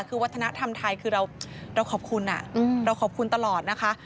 คือวัฒนธรรมไทยคือเราขอบคุณเราขอบคุณตลอดนะคะ